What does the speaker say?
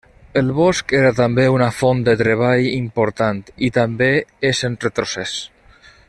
El bosc era també una font de treball important, i també és en retrocés.